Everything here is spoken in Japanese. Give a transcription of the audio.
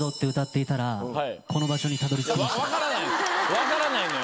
分からないのよ。